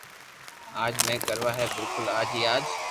اج ھي ڪروا ھي بلڪل آج ھي آج